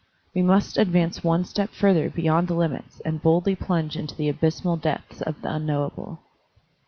We must advance one step ftuther beyond the limits and boldly plunge into the abysmal depths of the Unknowable.